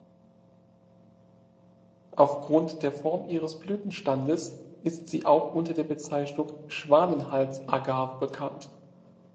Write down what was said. Aufgrund der Form ihres Blütenstandes ist sie auch unter der Bezeichnung Schwanenhals-Agave bekannt.